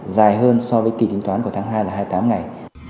dài hơn so với kỳ tính toán của tháng hai là hai mươi tám ngày